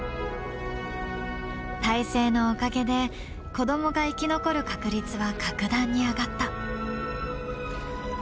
胎生のおかげで子どもが生き残る確率は格段に上がった。